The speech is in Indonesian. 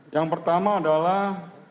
yang pertama adalah